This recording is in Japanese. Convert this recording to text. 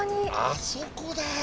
あそこだよ。